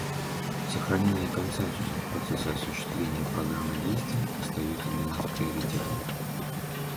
Сохранение консенсуса в процессе осуществления Программы действий остается для нас приоритетом.